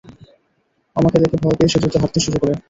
আমাকে দেখে ভয় পেয়ে সে দ্রুত হাঁটতে শুরু করে।